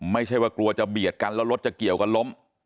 ไม่ใช่ว่ากลัวจะเบียดกันแล้วรถจะเกี่ยวกันล้ม